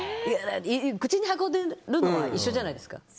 口に運んでいるのは一緒じゃないですか。